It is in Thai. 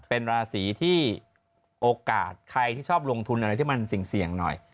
เป็นราศีที่โอกาสใครที่ชอบลงทุนอะไรที่มันเสี่ยงหน่อย